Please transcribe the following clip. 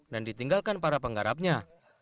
dan ditinggalkan para penggarapnya